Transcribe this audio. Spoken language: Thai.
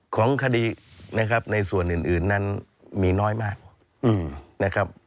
ของคดีนะครับในส่วนอื่นนั้นมีน้อยมากนะครับ